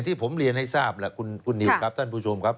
ที่ผมเรียนให้ทราบแหละคุณนิวครับท่านผู้ชมครับ